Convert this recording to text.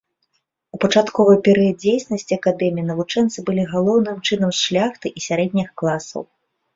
У пачатковы перыяд дзейнасці акадэміі навучэнцы былі галоўным чынам з шляхты і сярэдніх класаў.